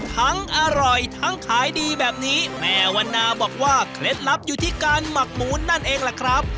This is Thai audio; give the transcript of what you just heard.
อร่อยทั้งขายดีแบบนี้แม่วันนาบอกว่าเคล็ดลับอยู่ที่การหมักหมูนั่นเองล่ะครับ